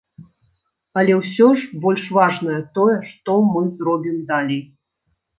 Але ўсё ж больш важнае тое, што мы зробім далей.